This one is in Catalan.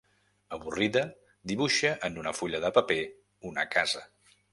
Avorrida, dibuixa en una fulla de paper una casa.